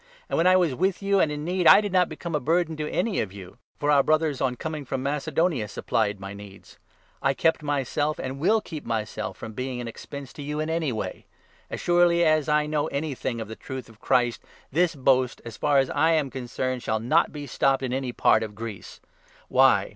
And, when I was 9 with you and in need, I did not become a burden to any of you ; for our Brothers, on coming from Macedonia, supplied my needs. I kept myself, and will keep myself, from being an expense to you in any way. As surely as I know anything 10 of the Truth of Christ, this boast, as far as I am concerned, shall not be stopped in any part of Greece. Why